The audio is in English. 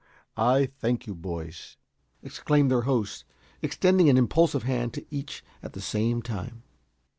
I thank you, boys," exclaimed their host, extending an impulsive hand to each at the same time.